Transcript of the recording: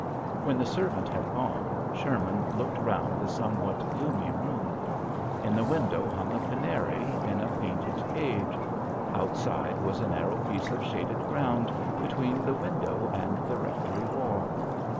When the servant had gone Sherman looked round the some what gloomy room. In the window hung a canary in a JOHN SHERMAN. 1$$', painted cage. Outside was a narrow piece of shaded ground between the window and the rectory wall.